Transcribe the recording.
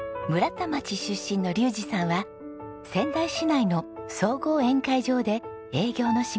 田町出身の竜士さんは仙台市内の総合宴会場で営業の仕事をしていました。